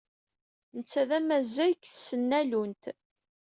Netta d amazzay deg tesnallunt.